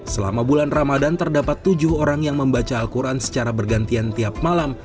selama bulan ramadan terdapat tujuh orang yang membaca al quran secara bergantian tiap malam